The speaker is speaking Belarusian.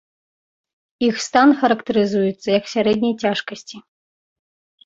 Іх стан характарызуецца як сярэдняй цяжкасці.